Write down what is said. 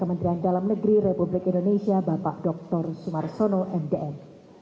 kementerian dalam negeri republik indonesia bapak dr sumarsono mdm